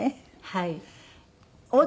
はい。